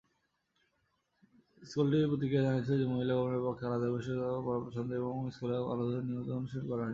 স্কুলটি প্রতিক্রিয়া জানিয়েছিল যে মহিলা গভর্নরের পক্ষে আলাদা হয়ে বসে পড়া পছন্দ এবং স্কুলে আলাদাভাবে নিয়মিত অনুশীলন করা হয়নি।